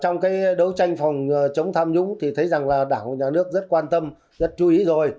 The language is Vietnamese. trong cái đấu tranh phòng chống tham nhũng thì thấy rằng là đảng và nhà nước rất quan tâm rất chú ý rồi